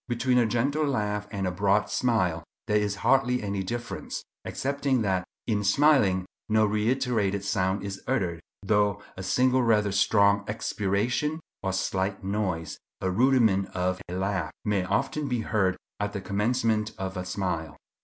Between a gentle laugh and a broad smile there is hardly any difference, excepting that in smiling no reiterated sound is uttered, though a single rather strong expiration, or slight noise—a rudiment of a laugh—may often be heard at the commencement of a smile.